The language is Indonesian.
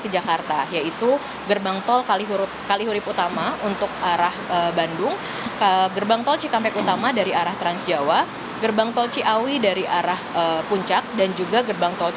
jangan lupa untuk beri tanggapan di kolom komentar